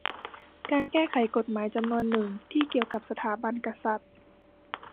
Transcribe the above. การแก้ไขกฎหมายจำนวนหนึ่งที่เกี่ยวกับสถาบันกษัตริย์